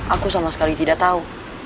aku sama sekali tidak tahu